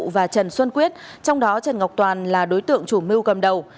và trần xuân quyết trong đó trần ngọc toàn là đối tượng chủ mưu cầm đầu